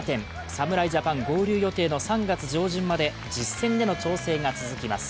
侍ジャパン合流予定の３月上旬まで実戦での調整が続きます。